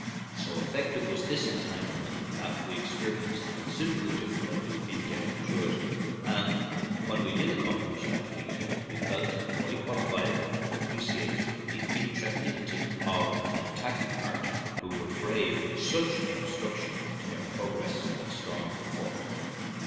So effective was this entanglement that we experienced considerable difficulty in getting through it, and when we did accomplish that feat we felt fully qualified to appreciate the intrepidity of an attacking party who would brave such an obstruction to their progress when storming the fort.